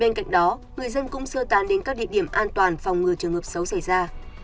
bên cạnh đó người dân cũng sơ tán đến các địa điểm an toàn phòng ngừa trường hợp xấu xảy ra